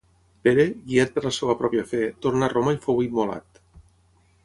Pere, guiat per la seva pròpia fe, tornà a Roma i fou immolat.